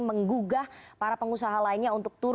menggugah para pengusaha lainnya untuk turun